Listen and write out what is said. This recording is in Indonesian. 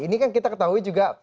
ini kan kita ketahui juga